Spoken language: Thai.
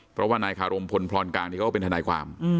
เพราะว่านายคารมพลพรกลางนี่เขาก็เป็นทนายความ